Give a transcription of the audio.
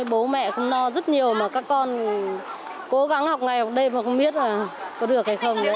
bố mẹ cũng lo rất nhiều mà các con cố gắng học ngày ôn đêm mà không biết là có được hay không